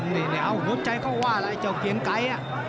โหใจเขาว่าล่ะไอ้เจ้าเกียงไก่